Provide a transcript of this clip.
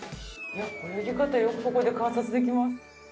泳ぎ方よくここで観察できます。